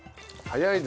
はい。